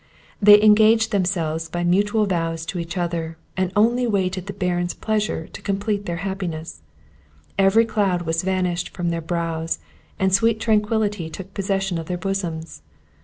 They engaged themselves by mutual vows to each other, and only waited the Baron's pleasure to complete their happiness; every cloud was vanished from their brows, and sweet tranquillity took possession of their bosoms.